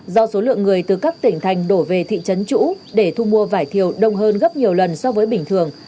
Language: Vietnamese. do số lượng người từ các tỉnh thành đổ về thị trấn chủ để thu mua vải thiều đông hơn gấp nhiều lần so với bình thường